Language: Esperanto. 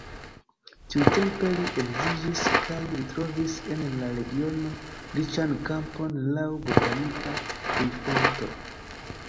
Tiutempe li edziĝis kaj li trovis en la regiono riĉan kampon laŭ botanika vidpunkto.